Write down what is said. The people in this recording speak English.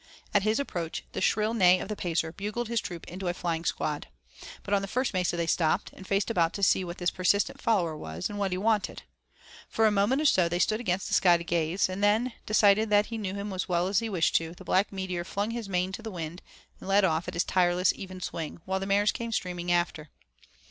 At his approach, the shrill neigh of the Pacer bugled his troop into a flying squad. But on the first mesa they stopped, and faced about to see what this persistent follower was, and what he wanted. For a moment or so they stood against the sky to gaze, and then deciding that he knew him as well as he wished to, that black meteor flung his mane on the wind, and led off at his tireless, even swing, while the mares came streaming after.